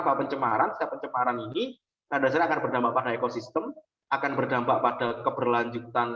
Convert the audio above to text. penyumbang penyumbang ini terdapat berdampak pada ekosistem akan berdampak pada keberlanjutan